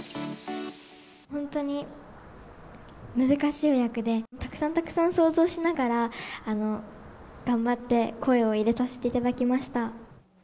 本当に難しい役で、たくさんたくさん想像しながら、頑張って声を入れさせていただきました。